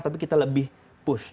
tapi kita lebih push